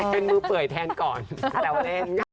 เปิดมือเปื่อยแทนก่อนแต่ว่าแม่ง